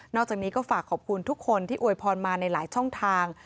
อกจากนี้ก็ฝากขอบคุณทุกคนที่อวยพรมาในหลายช่องทาง